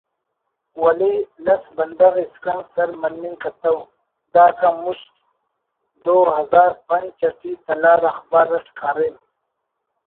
ولے لس بندغ اسکان سر مننگ کتو (داکان مست) دو ہزار پنچ اٹی تلار اخبار اٹ کاریم